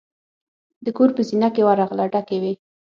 د کور په زینه کې ورغله ډکې وې.